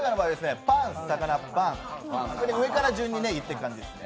上から順に言っていく感じですね。